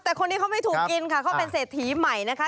แต่คนนี้เขาไม่ถูกกินค่ะเขาเป็นเศรษฐีใหม่นะคะ